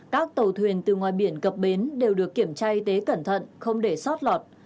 các tàu thuyền từ ngoài biển cập bến đều được kiểm tra y tế cẩn thận không để sót lọt